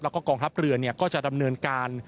แล้วก็กองทัพเรือก็จะดำเนินการ